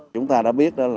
chúng ta đã biết